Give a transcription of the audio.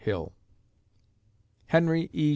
Hill. HENRY E.